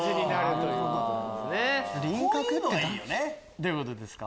どういうことですか？